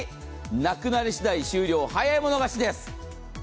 なくなりしだい終了、早い者勝ちです。